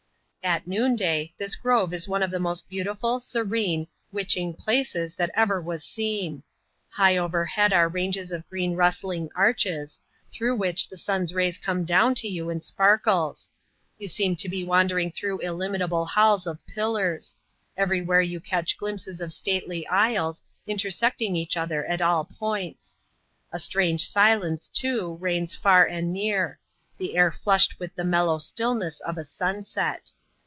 At noonday, this grove is one of the most beautiful^ serene, witching places that ever was seen. High overhead are ranges of green rustKhg arches ; through which the sun's rays come down to you in sparkles. You seem to be wandering through illimitable halls of pillars ; everywhere you catch glimpses of stately aisle^ intersecting each other at all points. A strai^ sifence, too, reigns far and near ; the air flushed with the mellow stillness of a sunset.